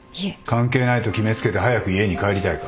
関係ないと決め付けて早く家に帰りたいか。